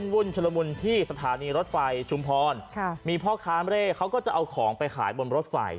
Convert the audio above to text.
วุ่นชุลมุนที่สถานีรถไฟชุมพรมีพ่อค้าเร่เขาก็จะเอาของไปขายบนรถไฟ